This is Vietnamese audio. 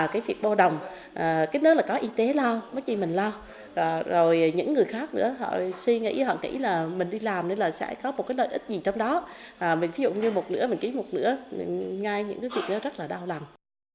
cái việc bô đồng cái nữa là có y tế lo mất gì mình lo rồi những người khác nữa họ suy nghĩ họ nghĩ là mình đi làm nên là sẽ có một cái lợi ích gì trong đó mình ví dụ như một nửa mình ký một nửa ngay những cái việc đó rất là đau lòng